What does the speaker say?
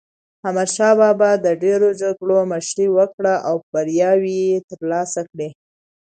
احمد شاه بابا د ډېرو جګړو مشري وکړه او بریاوي یې ترلاسه کړې.